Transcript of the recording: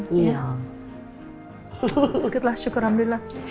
itu bagus syukur alhamdulillah